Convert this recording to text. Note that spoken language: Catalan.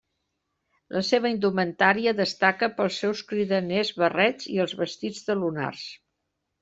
La seva indumentària destaca pels seus cridaners barrets i els vestits de lunars.